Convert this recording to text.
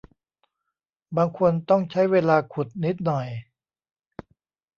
บางคนต้องใช้เวลาขุดนิดหน่อย